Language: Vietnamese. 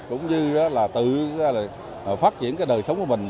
cũng như tự phát triển đời sống của mình